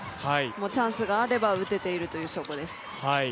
チャンスがあれば打てているという証拠です。